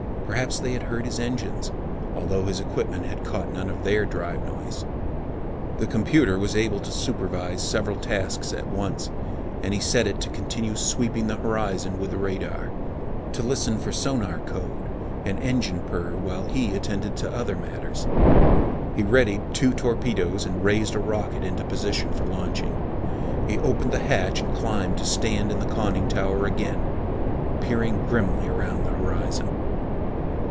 Perhaps they had heard his engines, although his own equipment had caught none of their drive noise. The computer was able to supervise several tasks at once, and he set it to continue sweeping the horizon with the radar, to listen for sonar code and engine purr while he attended to other matters. He readied two torpedoes and raised a rocket into position for launching. He opened the hatch and climbed to stand in the conning tower again, peering grimly around the horizon.